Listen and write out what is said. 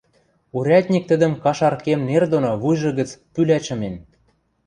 Урядник тӹдӹм кашар кем нер доно вуйжы гӹц пӱлӓ чымен.